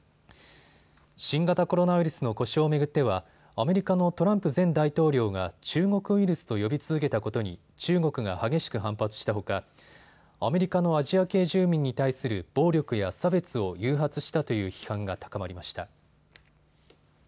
新型コロナウイルスの呼称を巡ってはアメリカのトランプ前大統領が中国ウイルスと呼び続けたことに中国が激しく反発したほかアメリカのアジア系住民に対する暴力や差別を誘発したという批判が高まりました。